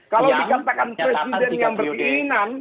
kalau dikatakan presiden yang beri inan